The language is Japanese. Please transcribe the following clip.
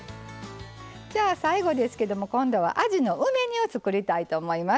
じゃあ最後ですけども今度はあじの梅煮を作りたいと思います。